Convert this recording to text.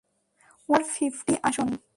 One for fifty, আসুন।